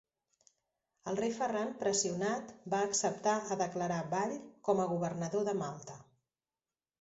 El rei Ferran pressionat va acceptar a declarar Ball com a governador de Malta.